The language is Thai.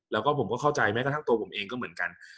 แล้วก็ผมเข้าใจทั้งตัวผมเองก็เหมือนกัน